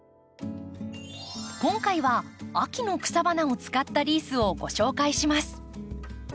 今回は秋の草花を使ったリースをご紹介します。